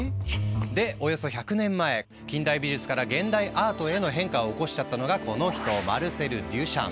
でおよそ１００年前近代美術から現代アートへの変化を起こしちゃったのがこの人マルセル・デュシャン。